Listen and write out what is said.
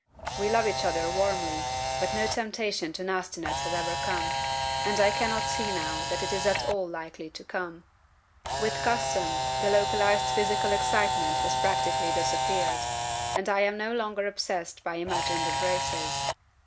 We love each other warmly, but no temptation to nastiness has ever come, and I cannot see now that it is at all likely to come. With custom, the localized physical excitement has practically disappeared, and I am no longer obsessed by imagined embraces.